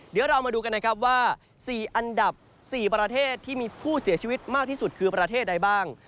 เดี๋ยวเรามาดูกันนะครับว่า๔อันดับ๔ประเทศที่มีผู้เสียชีวิตมากที่สุดคือประเทศใดบ้าง